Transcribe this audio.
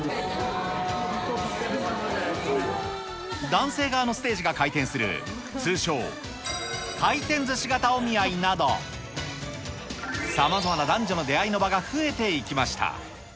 男性側のステージが回転する、通称、回転ずし型お見合いなど、さまざまな男女の出会いの場が増えていきました。